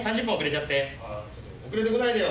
ちょっと遅れて来ないでよ！